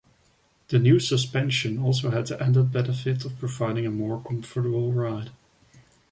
The new suspension also had the added benefit of providing a more comfortable ride.